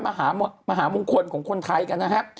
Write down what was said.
มหามงคลของคนไทยกันนะฮะ